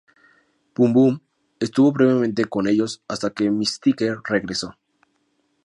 Boom Boom estuvo brevemente con ellos hasta que Mystique regresó.